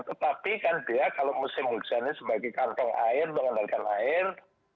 tetapi kan dia kalau musim hujan ini sebagai kantong air mengendalikan air